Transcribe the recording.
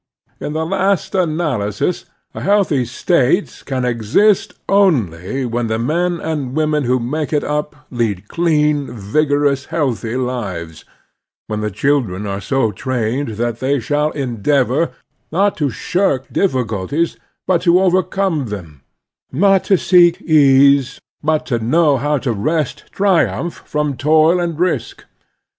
In the last analysis a healthy state can exist only when the men and women who make it up lead clean, vigorous, healthy lives; when the children are so trained that they shall endeavor, not to shirk difficulties, but to overcome them; not to seek ease, but to know how to wrest tri umph from toil and risk.